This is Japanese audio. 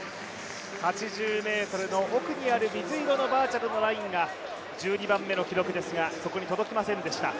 ８０ｍの奥にある水色のバーチャルのラインが記録ですが、そこに届きませんでした。